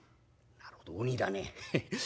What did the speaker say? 「なるほど鬼だねヘッ。